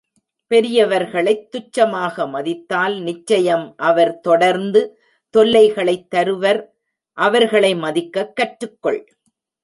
பெரியவர்களைத் துச்சமாக மதித்தால் நிச்சயம் அவர் தொடர்ந்து தொல்லைகளைத் தருவர் அவர்களை மதிக்கக் கற்றுக்கொள்.